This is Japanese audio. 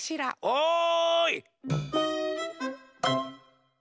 おい！